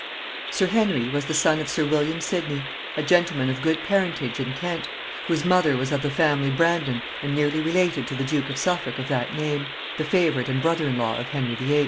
Sir Henry was the son of sir William Sidney, a gentleman of good parentage in Kent, whose mother was of the family of Brandon and nearly related to the duke of Suffolk of that name, the favorite and brother in law of Henry VIII.